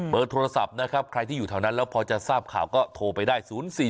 โทรศัพท์นะครับใครที่อยู่แถวนั้นแล้วพอจะทราบข่าวก็โทรไปได้๐๔๔